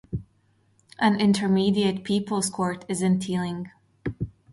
An Intermediate People's Court is in Tieling.